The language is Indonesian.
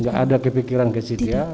gak ada kepikiran ke situ ya